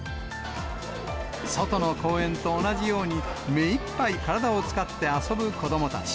外の公園と同じように、目いっぱい体を使って遊ぶ子どもたち。